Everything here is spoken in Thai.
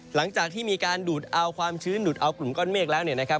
หลังจากที่มีการดูดเอาความชื้นดูดเอากลุ่มก้อนเมฆแล้วเนี่ยนะครับ